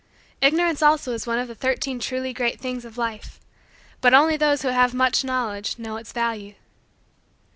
Ignorance also is one of the Thirteen Truly Great Things of Life but only those who have much knowledge know its value.